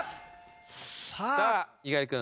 さあ猪狩君。